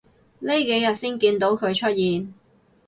呢幾日先見到佢出現